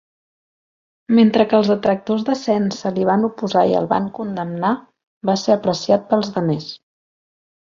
Mentre que els detractors de Sen se li van oposar i el van condemnar, va ser apreciat pels demés.